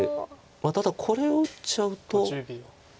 ただこれを打っちゃうと。